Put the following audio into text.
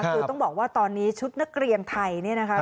คือต้องบอกว่าตอนนี้ชุดนักเรียนไทยเนี่ยนะคะ